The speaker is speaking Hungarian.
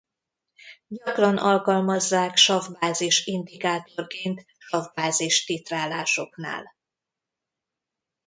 Gyakran alkalmazzák sav-bázis indikátorként sav-bázis titrálásoknál.